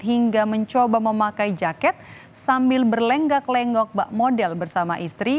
hingga mencoba memakai jaket sambil berlenggak lenggok bak model bersama istri